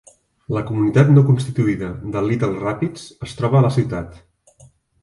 La comunitat no constituïda de Little Rapids es troba a la ciutat.